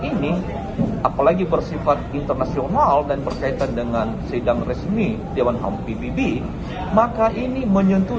ini apalagi bersifat internasional dan berkaitan dengan sidang resmi dewan ham pbb maka ini menyentuh